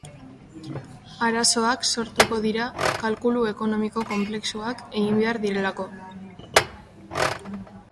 Arazoak sortuko dira kalkulu ekonomiko konplexuak egin behar direlako.